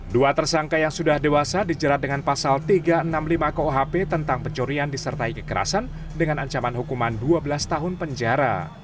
dua tersangka yang sudah dewasa dijerat dengan pasal tiga ratus enam puluh lima kuhp tentang pencurian disertai kekerasan dengan ancaman hukuman dua belas tahun penjara